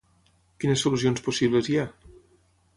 Quines solucions possibles hi ha?